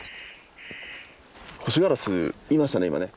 ホシガラスいましたね